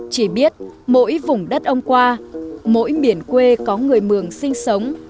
chỉ biết mỗi vùng đất ông qua mỗi miền quê có người mường sinh sống